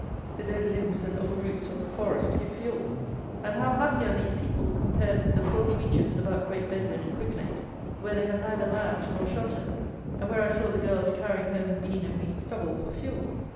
The dead limbs and old roots of the forest give fuel; and how happy are these people, compared with the poor creatures about Great Bedwin and Cricklade, where they have neither land nor shelter, and where I saw the girls carrying home bean and wheat stubble for fuel!